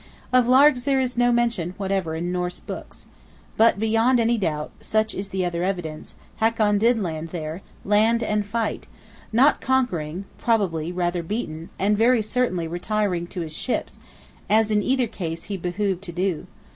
Of Largs there is no mention whatever in Norse books. But beyond any doubt, such is the other evidence, Hakon did land there; land and fight, not conquering, probably rather beaten; and very certainly "retiring to his ships," as in either case he behooved to do!